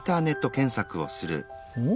おっ？